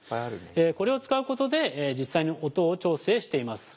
これを使うことで実際に音を調整しています・・